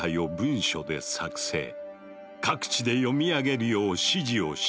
各地で読み上げるよう指示をした。